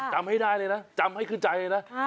จำให้ได้เลยนะจำให้ขึ้นใจเลยนะ